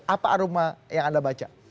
apa aroma yang anda baca